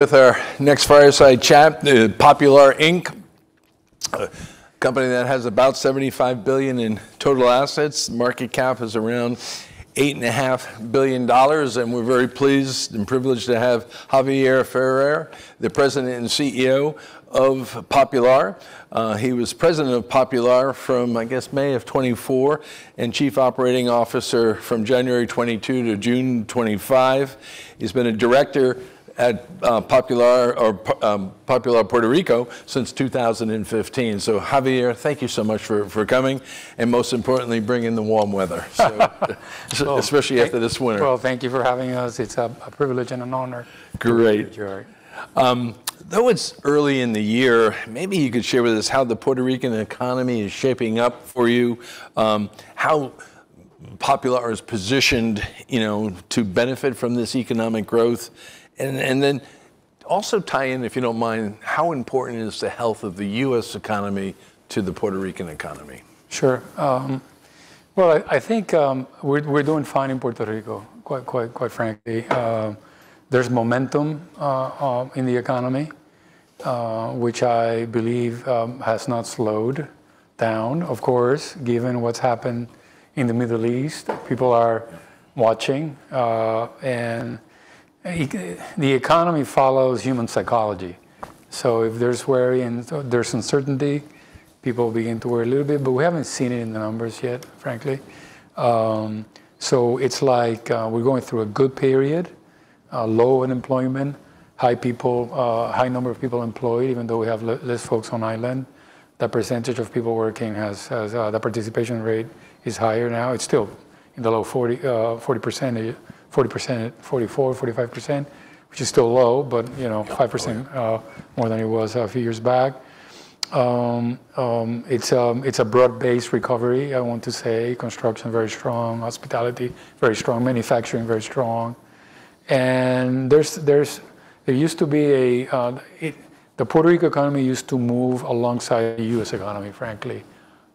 With our next fireside chat, Popular, Inc., a company that has about $75 billion in total assets. Market cap is around $8.5 billion, and we're very pleased and privileged to have Javier D. Ferrer, the president and CEO of Popular. He was president of Popular from, I guess, May of 2024 and chief operating officer from January 2022 to June 2025. He's been a director at Popular or Popular Puerto Rico since 2015. Javier, thank you so much for coming, and most importantly, bringing the warm weather, especially after this winter. Well, thank you for having us. It's a privilege and an honor. Great to be here, Jerry. Though it's early in the year, maybe you could share with us how the Puerto Rican economy is shaping up for you, how Popular is positioned, you know, to benefit from this economic growth. Then also tie in, if you don't mind, how important is the health of the U.S. economy to the Puerto Rican economy? Sure. Well, I think we're doing fine in Puerto Rico, quite frankly. There's momentum in the economy, which I believe has not slowed down. Of course, given what's happened in the Middle East, people are watching. The economy follows human psychology, so if there's worry and there's uncertainty, people begin to worry a little bit. But we haven't seen it in the numbers yet, frankly. It's like we're going through a good period, low unemployment, high number of people employed, even though we have less folks on island, the percentage of people working, the participation rate, is higher now. It's still in the low 40s, 44%-45%, which is still low, but you know. Yeah. Right 5% more than it was a few years back. It's a broad-based recovery, I want to say. Construction, very strong, hospitality, very strong, manufacturing, very strong. The Puerto Rico economy used to move alongside the U.S. economy, frankly,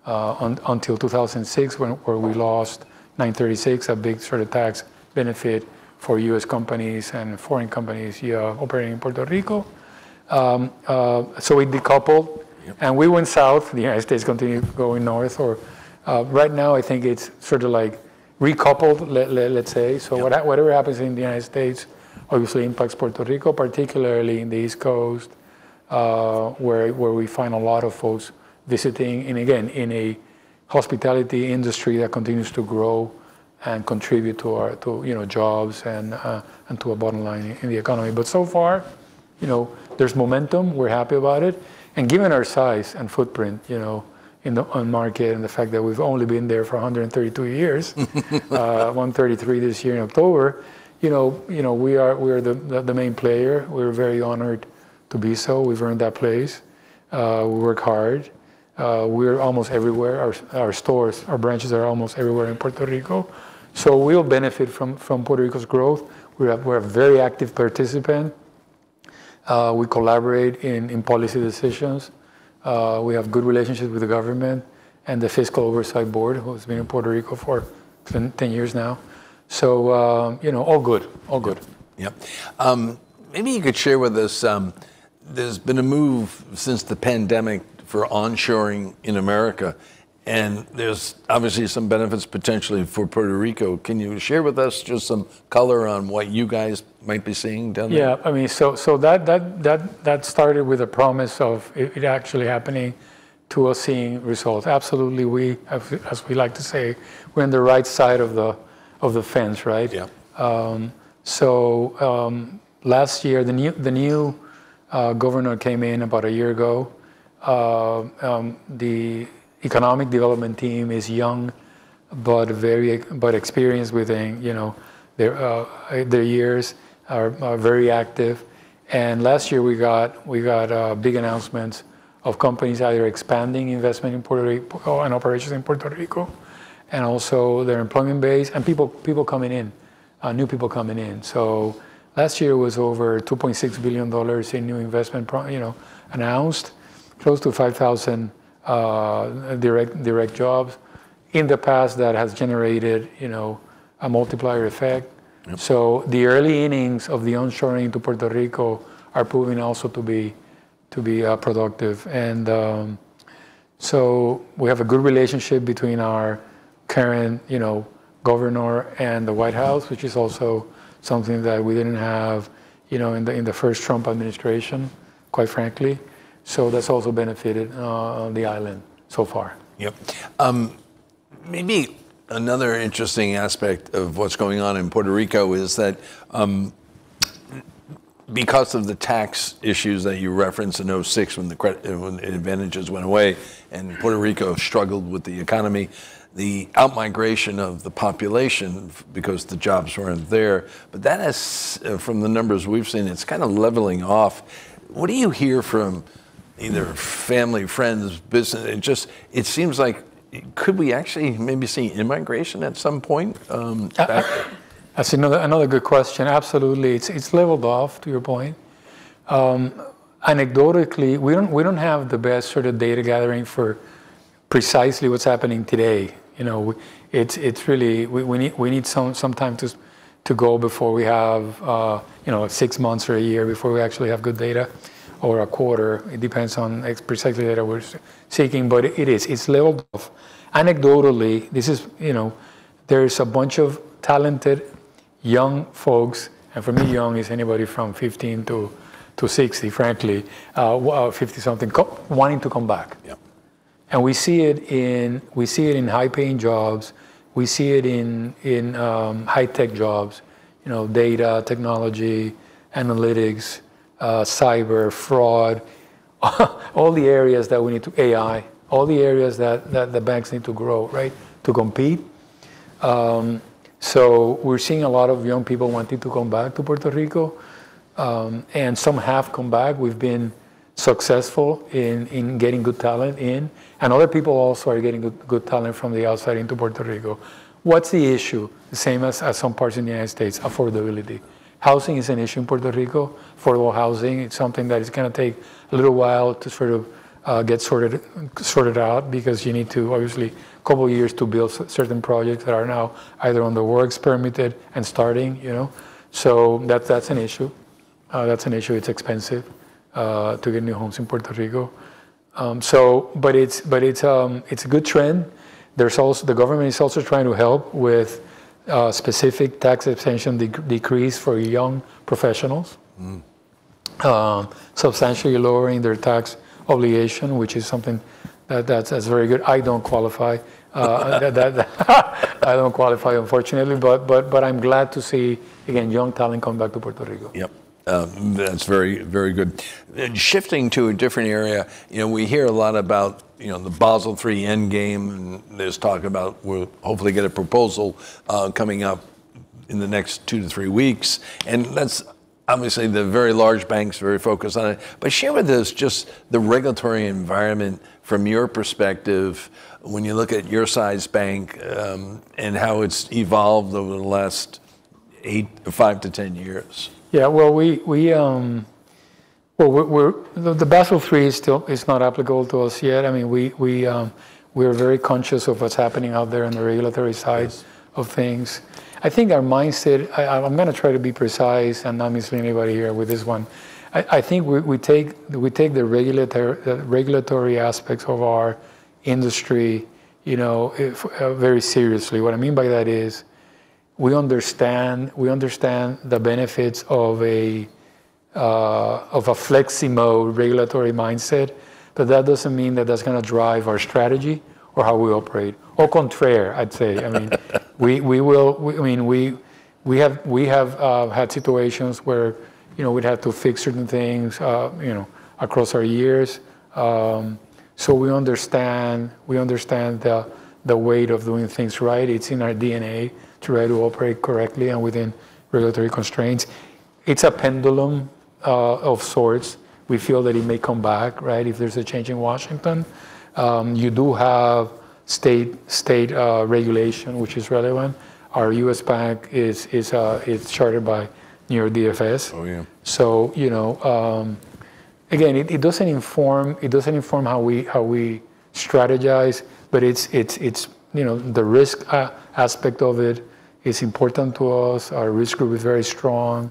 until 2006 when we lost 936, a big sort of tax benefit for U.S. companies and foreign companies, yeah, operating in Puerto Rico. We decoupled. Yep we went south. The United States continued going north, or, right now I think it's sort of like recoupled, let's say. Yeah. Whatever happens in the United States obviously impacts Puerto Rico, particularly in the East Coast, where we find a lot of folks visiting, and again, in a hospitality industry that continues to grow and contribute to our, to, you know, jobs and to our bottom line in the economy. So far, you know, there's momentum. We're happy about it. Given our size and footprint, you know, in the on market, and the fact that we've only been there for 133 years this year in October, you know, we are the main player. We're very honored to be so. We've earned that place. We work hard. We're almost everywhere. Our stores, our branches are almost everywhere in Puerto Rico, so we'll benefit from Puerto Rico's growth. We're a very active participant. We collaborate in policy decisions. We have good relationships with the government and the Financial Oversight Board who has been in Puerto Rico for 10 years now. You know, all good Yep. Maybe you could share with us, there's been a move since the pandemic for onshoring in America, and there's obviously some benefits potentially for Puerto Rico. Can you share with us just some color on what you guys might be seeing down there? Yeah. I mean, so that started with a promise of it actually happening to us seeing results. Absolutely, we have, as we like to say, we're on the right side of the fence, right? Yeah. Last year the new governor came in about a year ago. The economic development team is young, but very experienced within their years, you know, are very active. Last year we got big announcements of companies either expanding investment in Puerto Rico and operations in Puerto Rico and also their employment base and people coming in, new people coming in. Last year was over $2.6 billion in new investment announced, close to 5,000 direct jobs. In the past that has generated a multiplier effect. Yep. The early innings of the onshoring to Puerto Rico are proving also to be productive. We have a good relationship between our current, you know, governor and the White House, which is also something that we didn't have, you know, in the first Trump administration, quite frankly. That's also benefited the island so far. Yep. Maybe another interesting aspect of what's going on in Puerto Rico is that, because of the tax issues that you referenced in 2006 when advantages went away and Puerto Rico struggled with the economy, the outmigration of the population because the jobs weren't there, but that has, from the numbers we've seen, it's kind of leveling off. What do you hear from either family, friends, business? It just, it seems like could we actually maybe see immigration at some point, back? That's another good question. Absolutely. It's leveled off, to your point. Anecdotally, we don't have the best sort of data gathering for precisely what's happening today. You know, it's really. We need some time to go before we have, you know, six months or a year before we actually have good data, or a quarter. It depends on precisely the data we're seeking, but it is. It's a little of. Anecdotally, this is, you know, there's a bunch of talented young folks, and for me young is anybody from 15-60, frankly, 50-something wanting to come back. Yep. We see it in high-paying jobs, we see it in high-tech jobs, you know, data, technology, analytics, cyber fraud, all the areas that the banks need to grow, right, to compete. We're seeing a lot of young people wanting to come back to Puerto Rico. Some have come back. We've been successful in getting good talent in, and other people also are getting good talent from the outside into Puerto Rico. What's the issue? The same as some parts in the United States, affordability. Housing is an issue in Puerto Rico, affordable housing. It's something that is gonna take a little while to sort of get sorted out, because you need to obviously couple years to build certain projects that are now either in the works, permitted and starting, you know. That's an issue. It's expensive to get new homes in Puerto Rico. It's a good trend. There's also the government is also trying to help with specific tax exemption decrease for young professionals. Mm. Substantially lowering their tax obligation, which is something that's very good. I don't qualify unfortunately, but I'm glad to see, again, young talent come back to Puerto Rico. Yep. That's very, very good. Shifting to a different area, you know, we hear a lot about, you know, the Basel III Endgame, and there's talk about we'll hopefully get a proposal coming up in the next two to three weeks, and that's obviously the very large banks are very focused on it. Share with us just the regulatory environment from your perspective when you look at your size bank, and how it's evolved over the last five to 10 years. Yeah. Well, the Basel III is still not applicable to us yet. I mean, we're very conscious of what's happening out there on the regulatory sides. Yes Of things. I think our mindset. I'm gonna try to be precise and not miss anybody here with this one. I think we take the regulatory aspects of our industry, you know, very seriously. What I mean by that is we understand the benefits of a flexi mode regulatory mindset, but that doesn't mean that that's gonna drive our strategy or how we operate, au contraire, I'd say. I mean, we have had situations where, you know, we'd have to fix certain things, you know, across our years. So we understand the weight of doing things right. It's in our DNA to try to operate correctly and within regulatory constraints. It's a pendulum of sorts. We feel that it may come back, right, if there's a change in Washington. You do have state regulation, which is relevant. Our U.S. bank is chartered by New York DFS. Oh, yeah. You know, again, it doesn't inform how we strategize, but it's, you know, the risk aspect of it is important to us. Our risk group is very strong.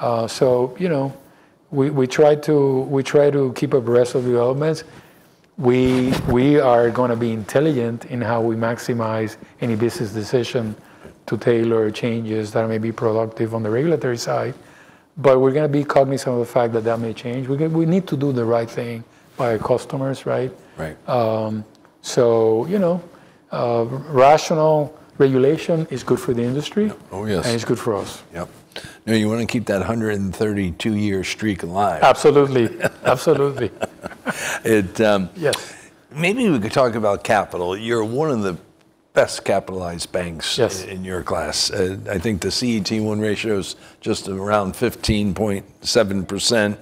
You know, we try to keep abreast of developments. We are gonna be intelligent in how we maximize any business decision to tailor changes that may be productive on the regulatory side, but we're gonna be cognizant of the fact that may change. We need to do the right thing by our customers, right? Right. You know, rational regulation is good for the industry. Oh, yes. It's good for us. Yep. No, you wanna keep that 132-year streak alive. Absolutely. It, um- Yes. Maybe we could talk about capital. You're one of the best capitalized banks. Yes In your class. I think the CET1 ratio is just around 15.7%.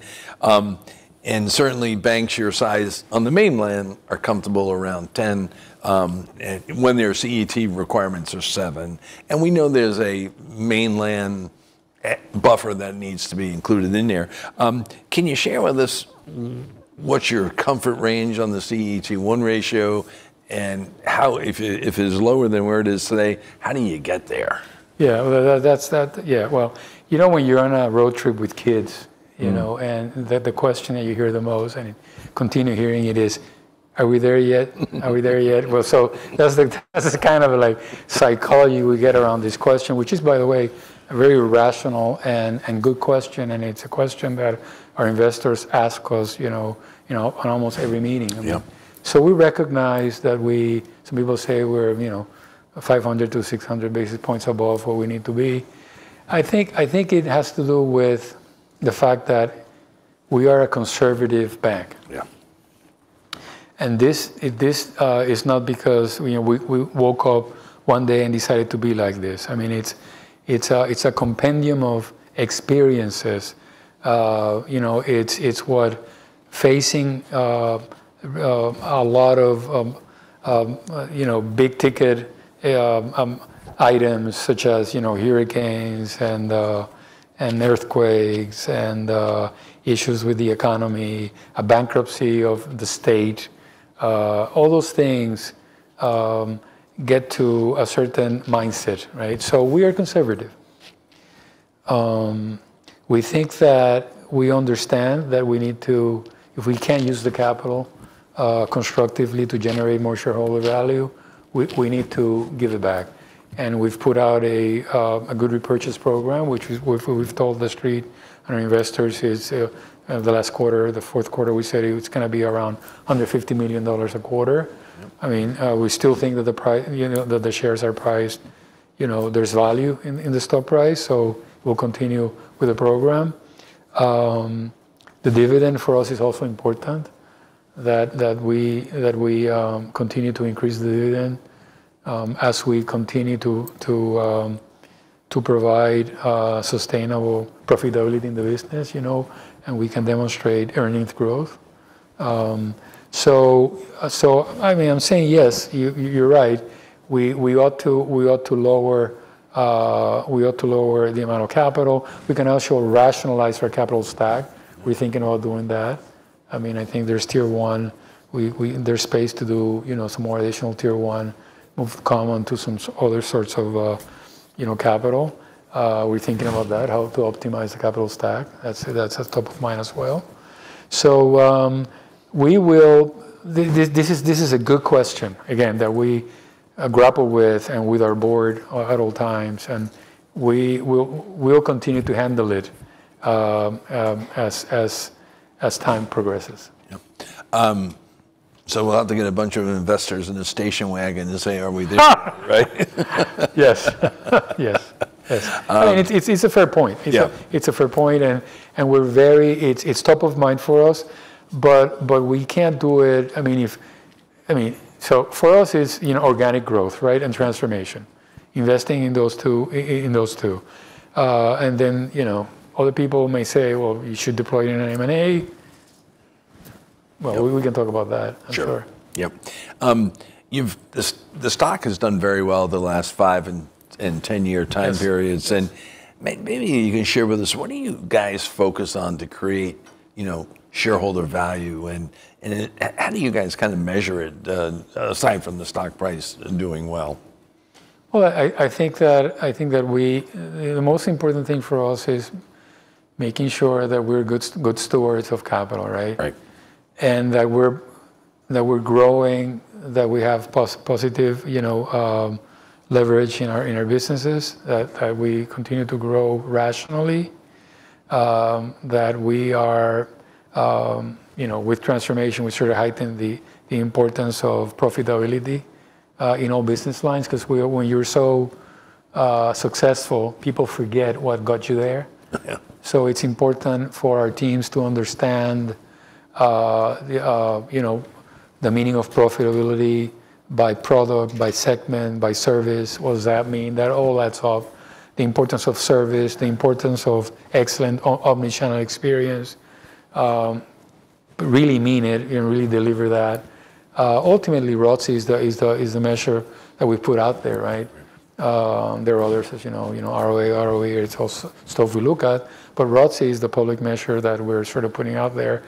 Certainly banks your size on the mainland are comfortable around 10, when their CET1 requirements are seven. We know there's a mainland equity buffer that needs to be included in there. Can you share with us what's your comfort range on the CET1 ratio and how, if it is lower than where it is today, how do you get there? Yeah. Well, that's that. Yeah. Well, you know when you're on a road trip with kids. Mm You know, the question that you hear the most, and you continue hearing it, is, "Are we there yet?" "Are we there yet?" Well, that's the kind of, like, psychology we get around this question, which is, by the way, a very rational and good question, and it's a question that our investors ask us, you know, you know, on almost every meeting. I mean. Yep We recognize that we, some people say we're, you know, 500-600 basis points above where we need to be. I think it has to do with the fact that we are a conservative bank. Yeah. This is not because, you know, we woke up one day and decided to be like this. I mean, it's a compendium of experiences. You know, it's what facing a lot of, you know, big-ticket items such as, you know, hurricanes and earthquakes and issues with the economy, a bankruptcy of the state. All those things get to a certain mindset, right? We are conservative. We think that we understand that we need to. If we can't use the capital constructively to generate more shareholder value, we need to give it back. We've put out a good repurchase program, which we've told the street and our investors is the last quarter, the fourth quarter, we said it's gonna be around $150 million a quarter. Mm. I mean, we still think that you know, that the shares are priced. You know, there's value in the stock price, so we'll continue with the program. The dividend for us is also important, that we continue to increase the dividend, as we continue to provide sustainable profitability in the business, you know, and we can demonstrate earnings growth. So I mean, I'm saying, yes, you're right. We ought to lower the amount of capital. We can also rationalize our capital stack. We're thinking about doing that. I mean, I think there's Tier 1. There's space to do, you know, some more additional Tier 1, move common to some other sorts of, you know, capital. We're thinking about that, how to optimize the capital stack. That's at top of mind as well. This is a good question, again, that we grapple with and with our board at all times, and we'll continue to handle it, as time progresses. Yep. We'll have to get a bunch of investors in a station wagon and say, "Are we there yet?" Right? Yes. Yes. Yes. Um- I mean, it's a fair point. Yeah. It's a fair point. It's top of mind for us, but we can't do it. For us it's, you know, organic growth, right, and transformation. Investing in those two. You know, other people may say, "Well, you should deploy an M&A. Yeah We can talk about that. Sure I'm sure. Yep. The stock has done very well the last 5 and 10-year time periods. Yes. Yes. Maybe you can share with us, what do you guys focus on to create, you know, shareholder value? How do you guys kinda measure it, aside from the stock price doing well? Well, the most important thing for us is making sure that we're good stewards of capital, right? Right. That we're growing. That we have positive, you know, leverage in our businesses. That we continue to grow rationally. That we are, you know, with transformation, we sort of heighten the importance of profitability in all business lines 'cause we, when you're so successful, people forget what got you there. Yeah. It's important for our teams to understand you know the meaning of profitability by product, by segment, by service. What does that mean? That all adds up. The importance of service, the importance of excellent omnichannel experience. Really mean it and really deliver that. Ultimately, ROCE is the measure that we put out there, right? Mm. There are others, as you know. You know, ROA, ROE, it's stuff we look at, but ROCE is the public measure that we're sort of putting out there.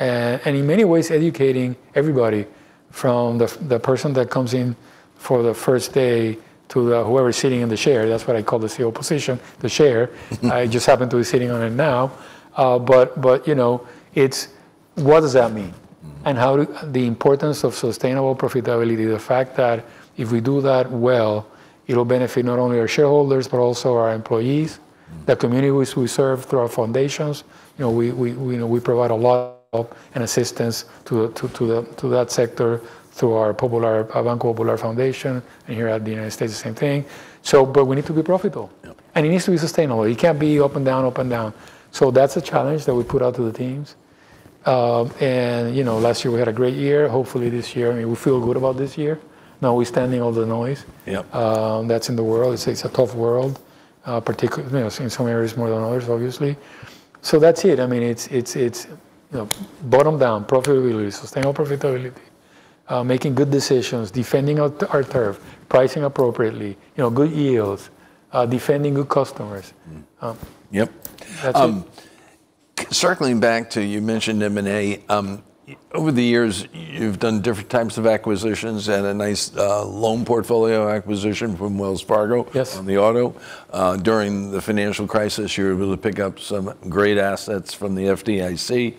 In many ways educating everybody from the person that comes in for the first day to whoever's sitting in the chair. That's what I call the CEO position, the chair. I just happen to be sitting on it now. But you know, it's what does that mean? Mm. The importance of sustainable profitability, the fact that if we do that well, it'll benefit not only our shareholders but also our employees. Mm... the communities we serve through our foundations. You know, we provide a lot of help and assistance to that sector through our Popular, Fundación Banco Popular, and here in the United States the same thing. But we need to be profitable. Yep. It needs to be sustainable. It can't be up and down, up and down. That's a challenge that we put out to the teams. You know, last year we had a great year. Hopefully this year I mean, we feel good about this year, notwithstanding all the noise. Yep That's in the world. It's a tough world, particularly you know, in some areas more than others, obviously. That's it. I mean, it's you know, bottom line, profitability, sustainable profitability, making good decisions, defending our turf, pricing appropriately, you know, good yields, defending good customers. Mm-hmm. Yep. That's it. Circling back to, you mentioned M&A. Over the years you've done different types of acquisitions and a nice loan portfolio acquisition from Wells Fargo. Yes... on the auto. During the financial crisis, you were able to pick up some great assets from the FDIC.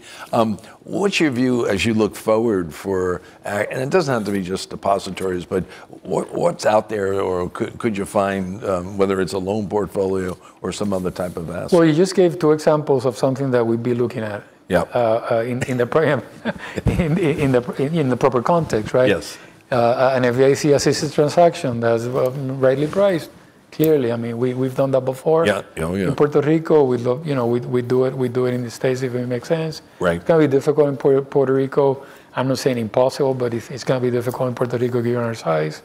What's your view as you look forward and it doesn't have to be just depositories, but what's out there or could you find, whether it's a loan portfolio or some other type of asset? Well, you just gave two examples of something that we'd be looking at. Yep in the program. In the proper context, right? Yes. An FDIC-assisted transaction that's rightly priced, clearly. I mean, we've done that before. Yeah. Oh, yeah. In Puerto Rico, you know, we do it in the States if it makes sense. Right. It's gonna be difficult in Puerto Rico. I'm not saying impossible, but it's gonna be difficult in Puerto Rico given our size.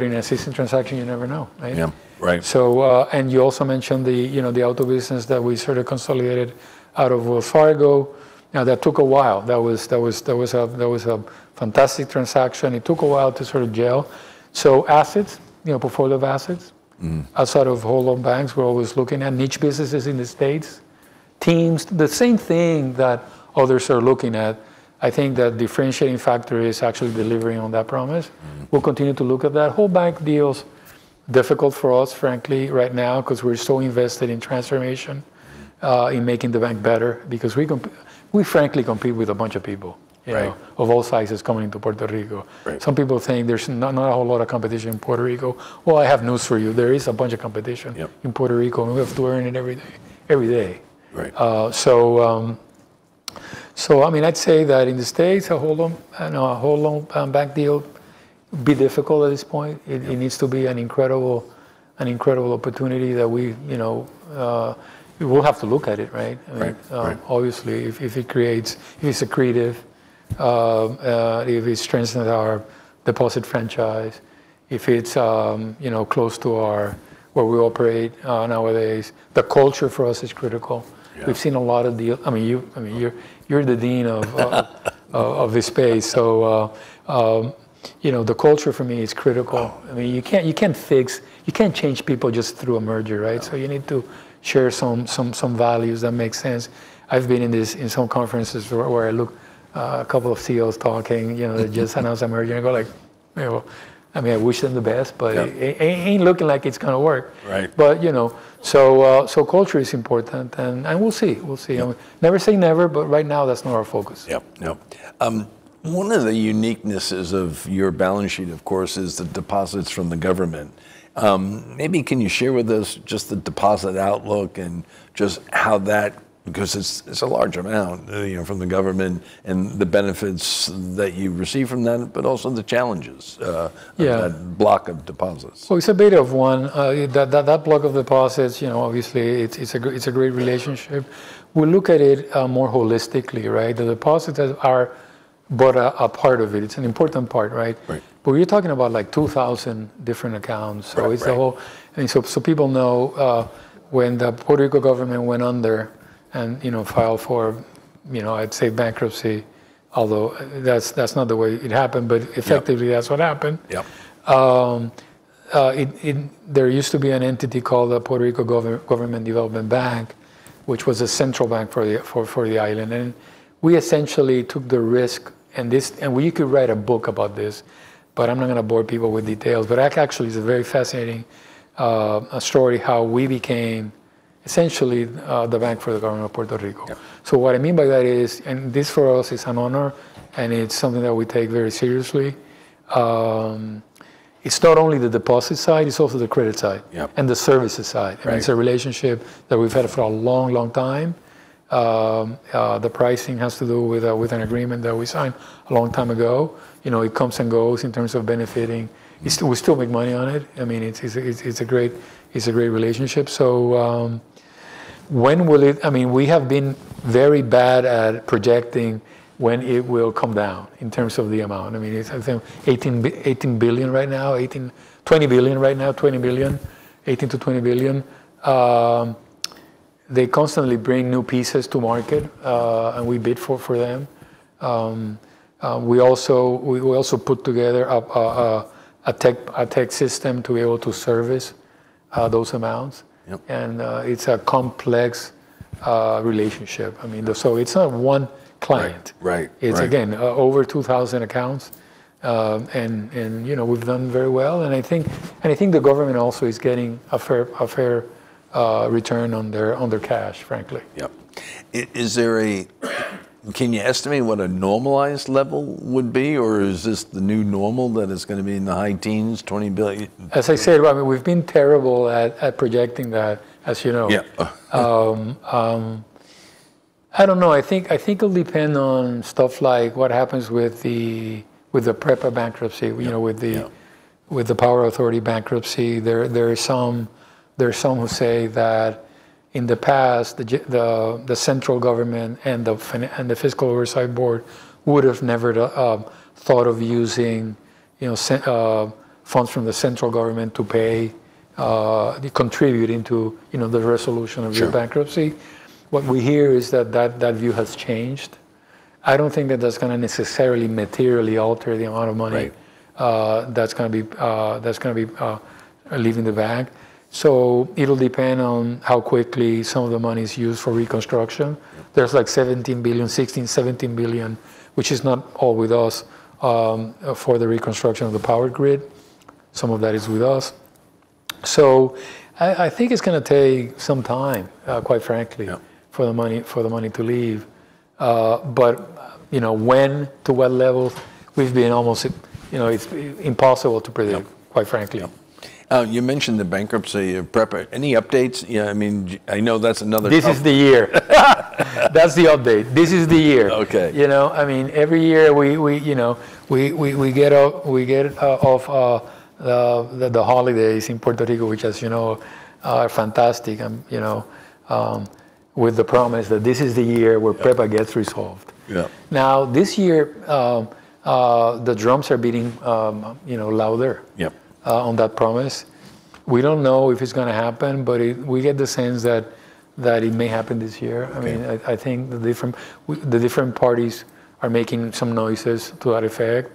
In assisted transaction you never know, right? Yeah. Right. You also mentioned the, you know, the auto business that we sort of consolidated out of Wells Fargo. Now, that took a while. That was a fantastic transaction. It took a while to sort of gel. Assets, you know, portfolio of assets. Mm outside of wholesale banks, we're always looking at niche businesses in the States. Themes, the same thing that others are looking at, I think the differentiating factor is actually delivering on that promise. Mm. We'll continue to look at that. Whole bank deal's difficult for us, frankly, right now, 'cause we're so invested in transformation, in making the bank better because we frankly compete with a bunch of people. Right you know, of all sizes coming to Puerto Rico. Right. Some people think there's not a whole lot of competition in Puerto Rico. Well, I have news for you. There is a bunch of competition. Yeah In Puerto Rico, we have to earn it every day. Right. I mean, I'd say that in the States, a whole loan bank deal would be difficult at this point. Yeah. It needs to be an incredible opportunity that we, you know. We'll have to look at it, right? I mean Right. Right Obviously, if it's accretive, if it strengthens our deposit franchise, if it's, you know, close to where we operate nowadays. The culture for us is critical. Yeah. I mean, you're the dean of this space, so you know, the culture for me is critical. Oh. I mean, you can't change people just through a merger, right? No. You need to share some values that make sense. I've been in some conferences where I look a couple of CEOs talking, you know that just announced a merger, and I go, like, you know, I mean, I wish them the best, but. Yeah It ain't looking like it's gonna work. Right. You know. Culture is important. We'll see. Yeah. I mean, never say never, but right now that's not our focus. Yep. One of the uniquenesses of your balance sheet, of course, is the deposits from the government. Maybe can you share with us just the deposit outlook and just how that. Because it's a large amount, you know, from the government and the benefits that you receive from them, but also the challenges. Yeah of that block of deposits. Well, it's a bit of one. That block of deposits, you know, obviously it's a great relationship. We look at it, more holistically, right? The deposits are but a part of it. It's an important part, right? Right. You're talking about, like, 2,000 different accounts. Right. Right. I mean, so people know, when the Puerto Rico government went under and, you know, filed for, you know, I'd say bankruptcy, although that's not the way it happened, but. Yeah Effectively that's what happened. Yeah. There used to be an entity called the Government Development Bank for Puerto Rico, which was a central bank for the island, and we essentially took the risk. We could write a book about this, but I'm not gonna bore people with details. That actually is a very fascinating story, how we became essentially the bank for the government of Puerto Rico. Yeah. What I mean by that is, and this for us is an honor, and it's something that we take very seriously, it's not only the deposit side, it's also the credit side. Yeah the services side. Right. I mean, it's a relationship that we've had for a long, long time. The pricing has to do with an agreement that we signed a long time ago. You know, it comes and goes in terms of benefiting. We still make money on it. I mean, it's a great relationship. I mean, we have been very bad at projecting when it will come down in terms of the amount. I mean, it's, I think, $18 billion-$20 billion right now. They constantly bring new pieces to market, and we bid for them. We also put together a tech system to be able to service those amounts. Yep. It's a complex relationship. I mean, it's not one client. Right. Right. Right. It's again over 2,000 accounts. You know, we've done very well, and I think the government also is getting a fair return on their cash, frankly. Yep. Can you estimate what a normalized level would be, or is this the new normal that it's gonna be in the high teens, $20 billion? As I said, Robert, we've been terrible at projecting that, as you know. Yeah. I don't know. I think it'll depend on stuff like what happens with the PREPA bankruptcy. Yeah... you know, with the- Yeah with the Power Authority bankruptcy. There are some who say that in the past, the central government and the Fiscal Oversight Board would've never thought of using, you know, central funds from the central government to pay, contributing to, you know, the resolution of. Sure the bankruptcy. What we hear is that view has changed. I don't think that that's gonna necessarily materially alter the amount of money- Right That's gonna be leaving the bank. It'll depend on how quickly some of the money's used for reconstruction. There's like $16 billion-$17 billion, which is not all with us, for the reconstruction of the power grid. Some of that is with us. I think it's gonna take some time, quite frankly. Yeah for the money to leave. You know, when to what level, we've been almost. You know, it's impossible to predict. Yeah Quite frankly. Yeah. You mentioned the bankruptcy of PREPA. Any updates? You know, I mean, I know that's another tough- This is the year. That's the update. This is the year. Okay. You know? I mean, every year we get out of the holidays in Puerto Rico, which as you know are fantastic, you know, with the promise that this is the year where PREPA gets resolved. Yeah. Now, this year, the drums are beating, you know, louder. Yeah on that promise. We don't know if it's gonna happen, but it. We get the sense that it may happen this year. Okay. I mean, I think the different parties are making some noises to that effect.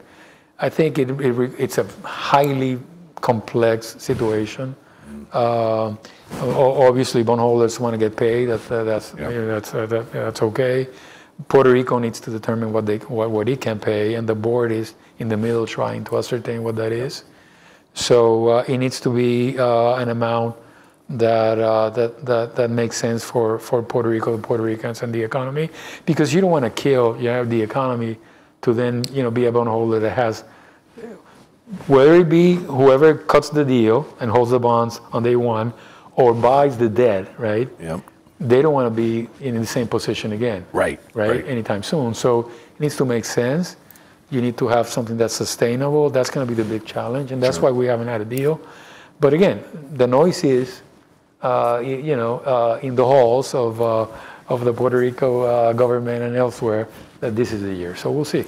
I think it's a highly complex situation. Obviously bondholders wanna get paid. That's Yeah That's okay. Puerto Rico needs to determine what it can pay, and the board is in the middle trying to ascertain what that is. Yeah. It needs to be an amount that makes sense for Puerto Rico, the Puerto Ricans, and the economy because you don't wanna kill, you know, the economy to then, you know, be a bondholder that has whether it be whoever cuts the deal and holds the bonds on day one or buys the debt, right? Yep. They don't wanna be in the same position again. Right. Right? Right. Anytime soon. It needs to make sense. You need to have something that's sustainable. That's gonna be the big challenge. Sure that's why we haven't had a deal. Again, the noise is, you know, in the halls of the Puerto Rico government and elsewhere, that this is the year. We'll see.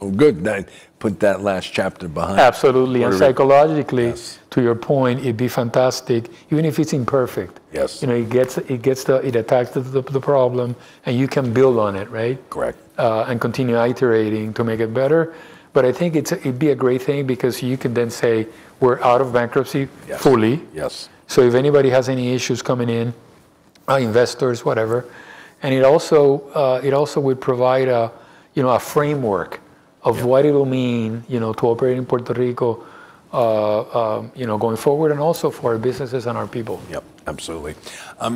Oh, good. That put that last chapter behind. Absolutely. Puerto Ri- Psychologically. Yes To your point, it'd be fantastic even if it's imperfect. Yes. You know, it gets the. It attacks the problem, and you can build on it, right? Correct. Continue iterating to make it better. I think it's a, it'd be a great thing because you can then say, "We're out of bankruptcy. Yes fully. Yes. If anybody has any issues coming in, investors, whatever. It also would provide a, you know, a framework. Yeah of what it'll mean, you know, to operate in Puerto Rico, you know, going forward, and also for our businesses and our people. Yep, absolutely.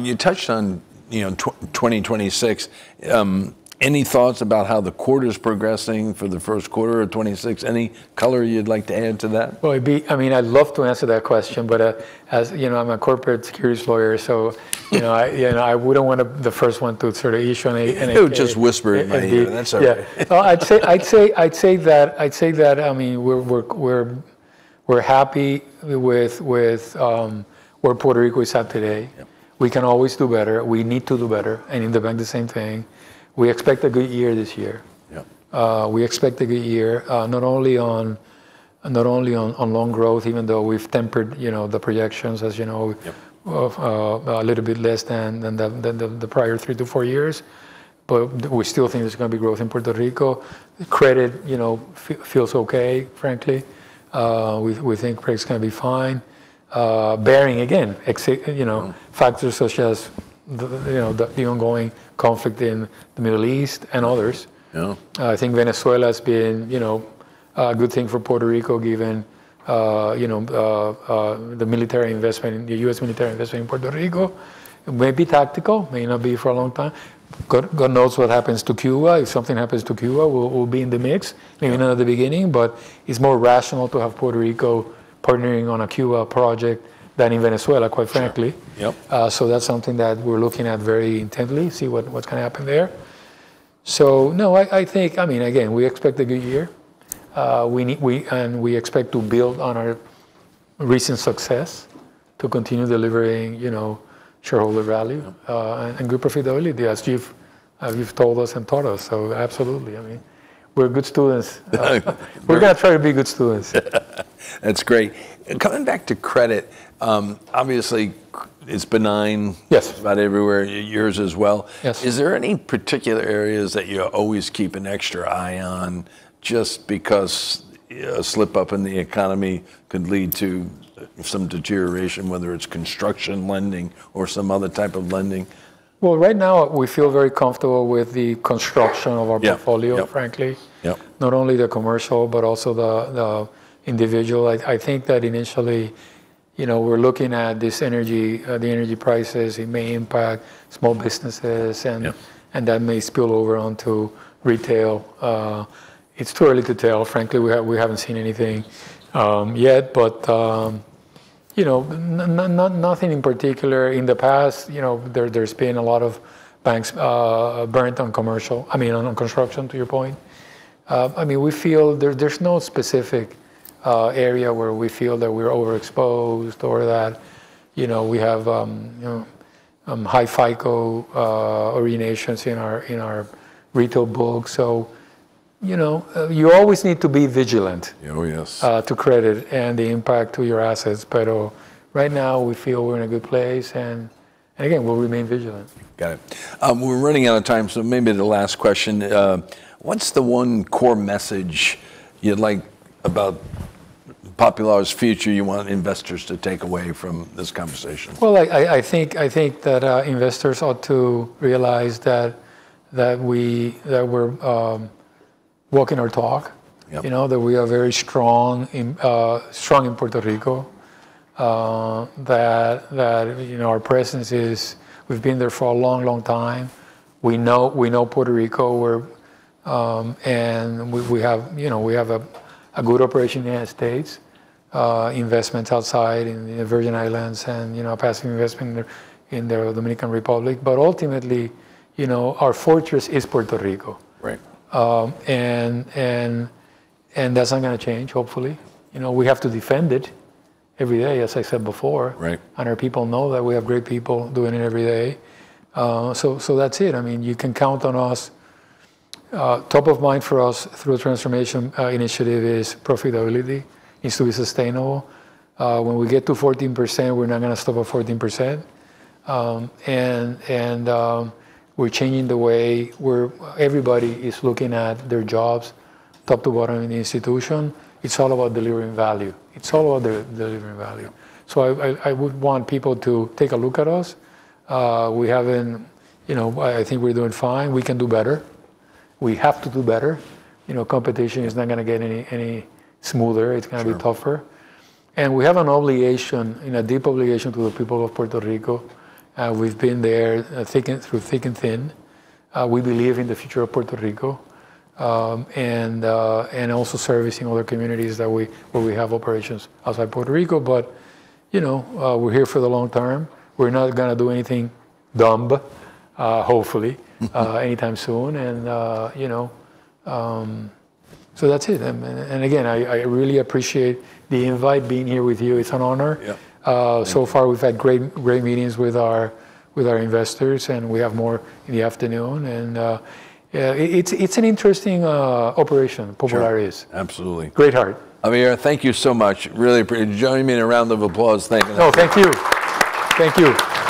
You touched on, you know, 2026. Any thoughts about how the quarter's progressing for the first quarter of 2026? Any color you'd like to add to that? I mean, I'd love to answer that question, but as you know, I'm a corporate securities lawyer. You know, I wouldn't wanna be the first one to sort of issue any guidance. You'll just whisper in my ear. Indeed. That's all right. Yeah. No, I'd say that, I mean, we're happy with where Puerto Rico is at today. Yep. We can always do better. We need to do better, and in the bank the same thing. We expect a good year this year. Yep. We expect a good year, not only on loan growth, even though we've tempered, you know, the projections as you know. Yep Of a little bit less than the prior three to four years. We still think there's gonna be growth in Puerto Rico. Credit, you know, feels okay, frankly. We think credit's gonna be fine, barring again, you know. Mm... factors such as the, you know, the ongoing conflict in the Middle East and others. Yeah. I think Venezuela has been, you know, a good thing for Puerto Rico given you know the military investment, the U.S. military investment in Puerto Rico. It may be tactical. May not be for a long time. God knows what happens to Cuba. If something happens to Cuba, we'll be in the mix. Yeah. Maybe not at the beginning, but it's more rational to have Puerto Rico partnering on a Cuba project than in Venezuela, quite frankly. Sure. Yep. That's something that we're looking at very intently, see what's gonna happen there. No, I think, I mean, again, we expect a good year. We expect to build on our recent success to continue delivering, you know, shareholder value. Yep Good profitability as you've told us and taught us. Absolutely. I mean, we're good students. We're gonna try to be good students. That's great. Coming back to credit, obviously it's benign. Yes about everywhere, yours as well. Yes. Is there any particular areas that you always keep an extra eye on just because a slip up in the economy could lead to some deterioration, whether it's construction lending or some other type of lending? Well, right now we feel very comfortable with the construction of our portfolio. Yeah. Yep Frankly. Yep. Not only the commercial, but also the individual. I think that initially, you know, we're looking at this energy, the energy prices, it may impact small businesses. Yeah that may spill over onto retail. It's too early to tell, frankly. We haven't seen anything yet. You know, nothing in particular. In the past, you know, there's been a lot of banks burnt on commercial, I mean, on construction to your point. I mean, we feel there's no specific area where we feel that we're overexposed or that, you know, we have high FICO originations in our retail book. You know, you always need to be vigilant. Oh, yes. To credit and the impact to your assets. Right now we feel we're in a good place, and again, we'll remain vigilant. Got it. We're running out of time, so maybe the last question. What's the one core message you'd like about Popular's future you want investors to take away from this conversation? Well, I think that we're walking our talk. Yep. You know that we are very strong in Puerto Rico. That you know, our presence is. We've been there for a long, long time. We know Puerto Rico. We have you know a good operation in the United States, investments outside in the Virgin Islands and, you know, a passing investment in the Dominican Republic. Ultimately, you know, our fortress is Puerto Rico. Right. That's not gonna change, hopefully. You know, we have to defend it every day, as I said before. Right. Our people know that. We have great people doing it every day. That's it. I mean, you can count on us. Top of mind for us through a transformation initiative is profitability needs to be sustainable. When we get to 14%, we're not gonna stop at 14%. Everybody is looking at their jobs top to bottom in the institution. It's all about delivering value. It's all about delivering value. Yep. I would want people to take a look at us. You know, I think we're doing fine. We can do better. We have to do better. You know, competition is not gonna get any smoother. Sure. It's gonna be tougher. We have an obligation, you know, a deep obligation to the people of Puerto Rico, and we've been there through thick and thin. We believe in the future of Puerto Rico. Also servicing other communities where we have operations outside Puerto Rico. You know, we're here for the long term. We're not gonna do anything dumb, hopefully, anytime soon. You know, that's it. Again, I really appreciate the invite, being here with you. It's an honor. Yeah. So far we've had great meetings with our investors, and we have more in the afternoon. It's an interesting operation, Popular is. Sure. Absolutely. Great heart. Javier, thank you so much. Join me in a round of applause thanking him. No, thank you. Thank you. Thank you.